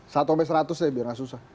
satu sampai seratus ya biar masuk